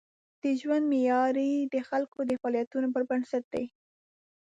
د ژوند معیاري د خلکو د فعالیتونو پر بنسټ دی.